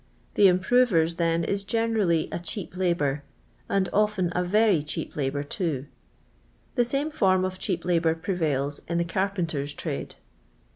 The improver's, then, is gene rally a cheap labour, and often a very cheap labour too. The same form of cheap labour prevails in the carpenter's trade.